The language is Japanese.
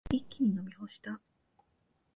一気に飲み干した。